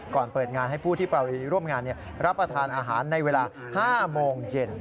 เปิดงานให้ผู้ที่ไปร่วมงานรับประทานอาหารในเวลา๕โมงเย็น